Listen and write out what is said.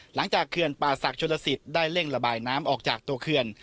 เขื่อนป่าศักดิชนลสิตได้เร่งระบายน้ำออกจากตัวเขื่อน